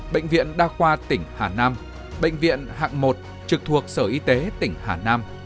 bệnh viện đa khoa tỉnh hà nam bệnh viện hạng một trực thuộc sở y tế tỉnh hà nam